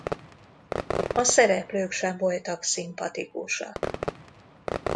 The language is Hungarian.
A szereplők sem voltak szimpatikusak.